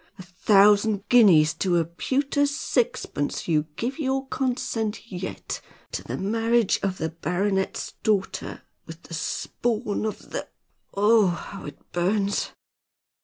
A thousand guineas to a pewter sixpence you give your consent yet to the marriage of the baronet's daughter with the spawn of the oh, how it burns!"